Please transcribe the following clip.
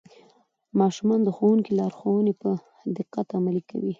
ماشومان د ښوونکي لارښوونې په دقت عملي کوي